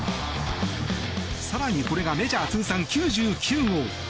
更に、これがメジャー通算９９号。